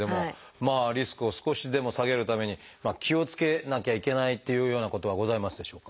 まあリスクを少しでも下げるために気をつけなきゃいけないっていうようなことはございますでしょうか？